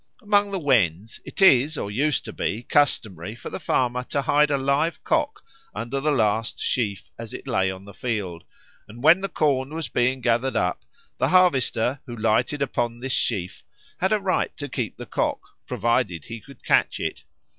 Among the Wends it is or used to be customary for the farmer to hide a live cock under the last sheaf as it lay on the field; and when the corn was being gathered up, the harvester who lighted upon this sheaf had a right to keep the cock, provided he could catch it.